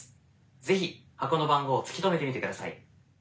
是非箱の番号を突き止めてみてください。